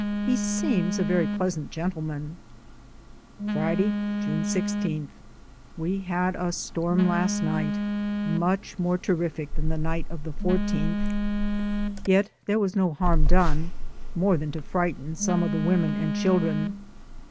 He seems a very pleasant gentleman. Friday, June 16. We had a storm last night, much more terrific than the night of the 14th, yet there was no harm done, more than to frighten some of the women and children.